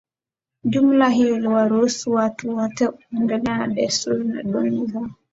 jumla hiyo iliwaruhusu watu wote kuendelea na desturi na dini zao